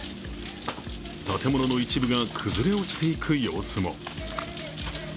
建物の一部が崩れ落ちていく様子も。